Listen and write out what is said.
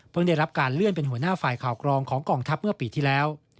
ได้รับการเลื่อนเป็นหัวหน้าฝ่ายข่าวกรองของกองทัพเมื่อปีที่แล้ว